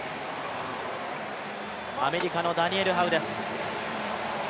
アメリカのダニエル・ハウです。